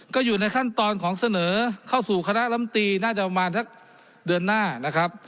ก็อยู่ในขั้นตอนของเสนอเข้าสู่คณะลำตีน่าจะประมาณสักเดือนหน้านะครับ